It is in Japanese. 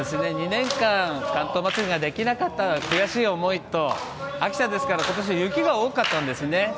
２年間、竿燈まつりができなかったという悔しい思いと秋田ですから、今年、雪が多かったんですね。